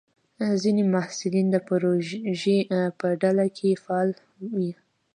ځینې محصلین د پروژې په ډله کې فعال وي.